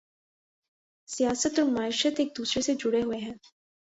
سیاست اور معیشت ایک دوسرے سے جڑے ہوئے ہیں۔